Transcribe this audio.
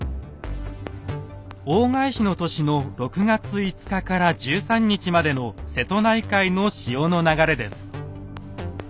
大返しの年の６月５日から１３日までの瀬戸内海の潮の流れです。